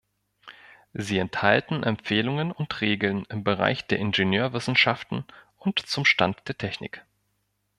Sie enthalten Empfehlungen und Regeln im Bereich der Ingenieurwissenschaften und zum Stand der Technik.